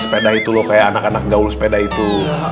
sepeda itu loh kayak anak anak gaul sepeda itu